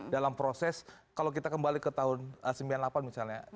dalam proses kalau kita kembali ke tahun sembilan puluh delapan misalnya